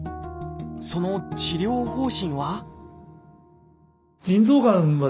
その治療方針は？